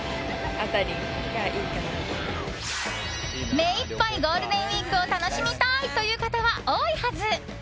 目いっぱいゴールデンウィークを楽しみたい！という方は多いはず。